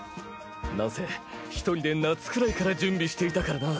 なんせ一人で夏くらいから準備していたからな。